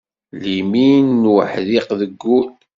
Limin n wuḥdiq, deg wul.